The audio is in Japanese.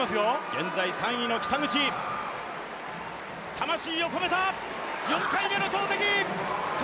現在３位の北口、魂を込めた４回めの投てき。